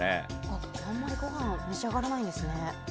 あんまりごはん召し上がらないんですね。